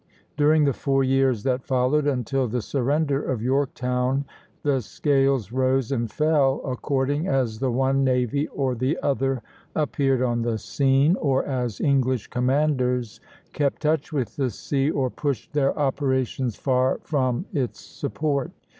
During the four years that followed, until the surrender of Yorktown, the scales rose and fell according as the one navy or the other appeared on the scene, or as English commanders kept touch with the sea or pushed their operations far from its support.